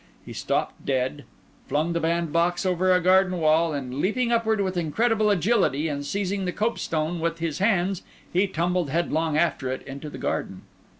He stopped dead, flung the bandbox over a garden wall, and leaping upward with incredible agility and seizing the copestone with his hands, he tumbled headlong after it into the garden.